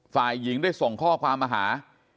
ฝ่ายหญิงได้ส่งข้อความมาหา